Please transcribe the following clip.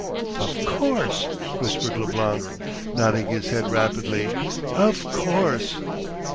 'Of course,' whispered Leblanc, nodding his head rapidly, 'of course.